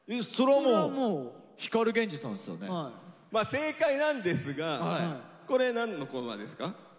正解なんですがこれ何のコーナーですか？